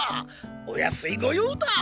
お安いご用だ。